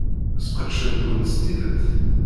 Sqedcen-kent s tidet.